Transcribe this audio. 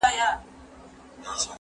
ښوونځی ته ولاړ سه؟